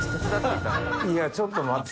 いやちょっと待って。